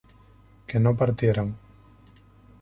que no partieran